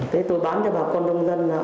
thế tôi bán cho bà con nông dân